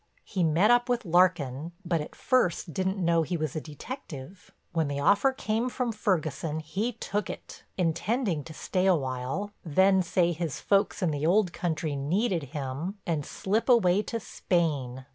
He met up with Larkin but at first didn't know he was a detective. When the offer came from Ferguson he took it, intending to stay a while, then say his folks in the old country needed him and slip away to Spain.